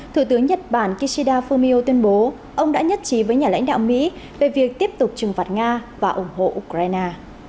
thủ tướng nhật bản kishida fumio tuyên bố ông đã nhất trí với nhà lãnh đạo mỹ về việc tiếp tục trừng phạt nga và ủng hộ ukraine